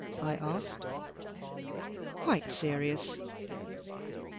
I asked. 'Quite serious.